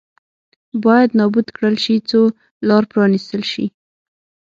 باید نابود کړل شي څو لار پرانېستل شي.